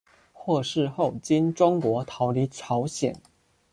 获释后经中国逃离朝鲜。